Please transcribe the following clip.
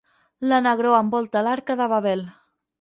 La negror envolta l'Arca de Babel.